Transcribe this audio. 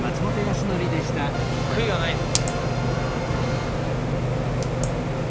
悔いはないっす。